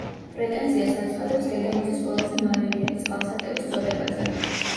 პრეტენზიას აცხადებს დედამიწის ყველაზე მარილიანი წყალსატევის წოდებაზე.